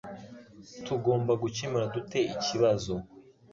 Tugomba gukemura dute ikibazo?